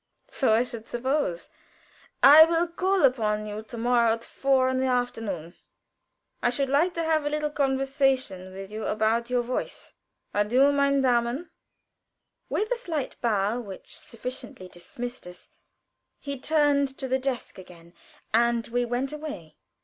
"So I should suppose. I will call upon you to morrow at four in the afternoon. I should like to have a little conversation with you about your voice. Adieu, meine Damen." With a slight bow which sufficiently dismissed us, he turned to the desk again, and we went away.